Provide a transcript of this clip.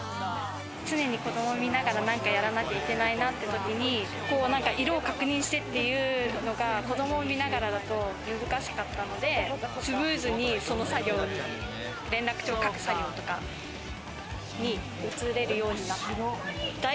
常に子供見ながら何かやらなきゃいけないなって時に、色を確認してっていうのが、子供を見ながらだと難しかったので、スムーズにその作業に、連絡帳を書く作業とかに移れるようになった。